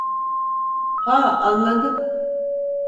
Ha, anladım.